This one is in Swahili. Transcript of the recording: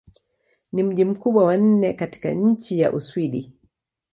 Ni mji mkubwa wa nne katika nchi wa Uswidi.